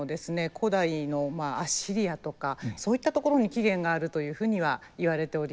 古代のアッシリアとかそういったところに起源があるというふうにはいわれておりまして。